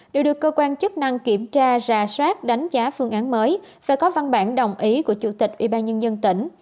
đều được cơ quan chức năng kiểm tra ra soát đánh giá phương án mới phải có văn bản đồng ý của chủ tịch ubnd tỉnh